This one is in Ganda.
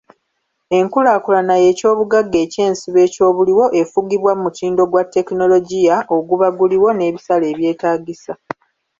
Enkulaakulanya y'ekyobugagga eky'ensibo ekyobuliwo efugibwa mutindo gwa tekinologia oguba guliwo n'ebisale ebyetaagisa